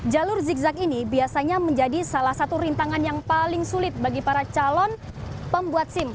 jalur zigzag ini biasanya menjadi salah satu rintangan yang paling sulit bagi para calon pembuat sim